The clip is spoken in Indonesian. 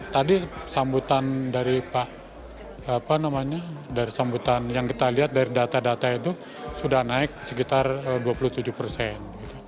kemarin tadi sambutan yang kita lihat dari data data itu sudah naik sekitar dua puluh tujuh persen